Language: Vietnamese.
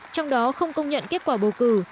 trong đó không công nhận kết quả bầu cử